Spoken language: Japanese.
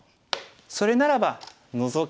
それならばノゾキ。